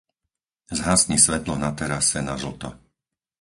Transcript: Zhasni svetlo na terase na žlto.